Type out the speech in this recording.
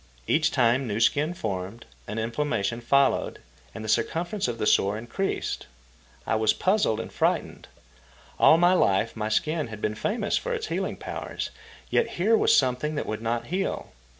Each time new skin formed, an inflammation followed, and the circumference of the sore increased. I was puzzled and frightened. All my life my skin had been famous for its healing powers, yet here was something that would not heal.